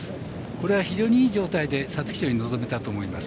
これは非常にいい状態で皐月賞に臨めたと思います。